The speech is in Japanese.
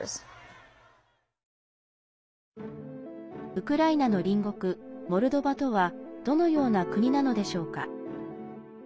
ウクライナの隣国モルドバとはどのような国なのでしょうか。